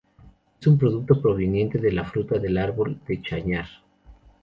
Es un producto proveniente de la fruta del árbol de chañar.